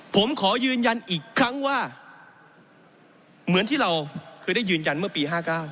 ผมขอยืนยันอีกครั้งว่าเหมือนที่เราเคยได้ยืนยันเมื่อปี๕๙